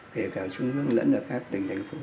kể cả trung ương lẫn ở các tỉnh thành phố